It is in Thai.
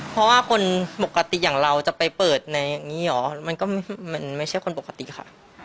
เพราะว่าคนปกติอย่างเราจะไปเปิดในอย่างนี้เหรอมันก็มันไม่ใช่คนปกติค่ะ